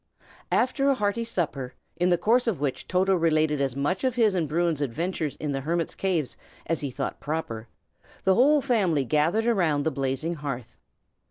After a hearty supper, in the course of which Toto related as much of his and Bruin's adventures in the hermit's cave as he thought proper, the whole family gathered around the blazing hearth.